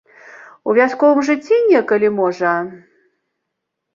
У вясковым жыцці некалі, можа?